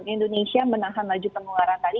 indonesia menahan laju penularan tadi